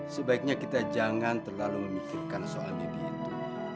sebaiknya kita jangan terlalu memikirkan soal gigi itu